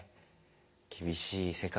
厳しい世界だね。